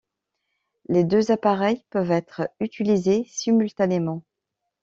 Les deux appareils peuvent être utilisés simultanément.